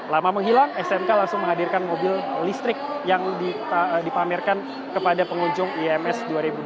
lama menghilang smk langsung menghadirkan mobil listrik yang dipamerkan kepada pengunjung ims dua ribu dua puluh